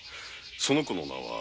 その子の名はお菊。